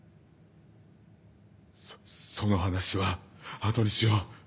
そその話は後にしよう。